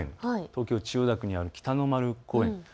東京千代田区にある北の丸公園です。